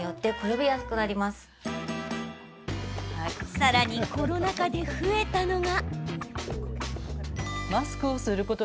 さらにコロナ禍で増えたのが。